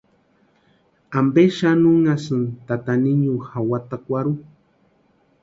¿Ampe xani unhasïni tata niño jawatakwarhu?